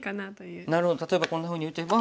なるほど例えばこんなふうに打てば。